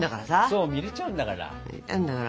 そう見れちゃうんだから。